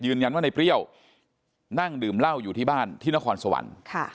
ยืนยันว่าในเปรี้ยวนั่งดื่มเหล้าอยู่ที่บ้านที่นครสวรรค์